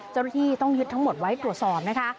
เจ้าหน้าที่ต้องยึดทั้งหมดไว้ตรวจสอบนะคะ